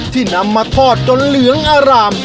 ที่นำมาพอดตนเหลืองอร่าม